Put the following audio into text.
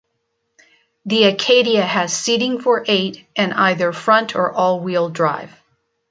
The Acadia has seating for eight and either front or all-wheel drive.